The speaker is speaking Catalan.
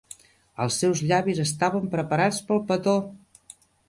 Els seus llavis estaven preparats pel petó!